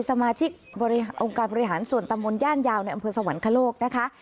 สมาชิกองค์การบริหารส่วนตำบลย่านยาวในอำเภอสวรรคโลกนะคะ